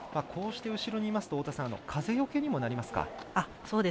こうして後ろにいますと風よけにもなりますか。